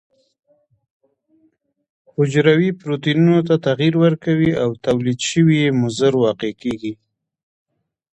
حجروي پروتینونو ته تغیر ورکوي او تولید شوي یې مضر واقع کیږي.